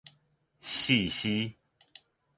死屍